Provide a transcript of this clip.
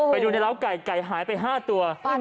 ไปดูในร้าวไก่ไก่หายไป๕ตัว